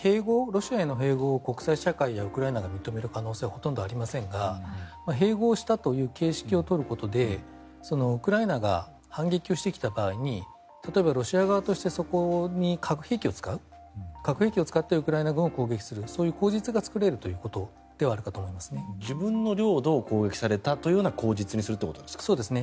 ロシアへの併合を国際社会やウクライナが認める可能性はほとんどありませんが併合したという形式を取ることでウクライナが反撃をしてきた場合に例えばロシア側としてそこに核兵器を使う核兵器を使ってウクライナ軍を攻撃するそういう口実が作れるということではあるかと自分の領土を攻撃されたというような口実にするということですか？